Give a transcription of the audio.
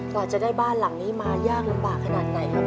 กว่าจะได้บ้านหลังนี้มายากลำบากขนาดไหนครับ